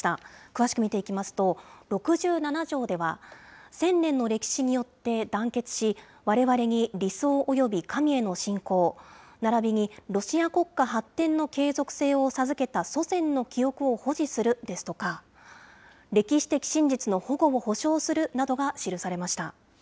詳しく見ていきますと、６７条では、千年の歴史によって団結し、われわれに理想および神への信仰、ならびにロシア国家発展の継続性を授けた祖先の記憶を保持するですとか、歴史的真実の保護を保障するなどが記されました。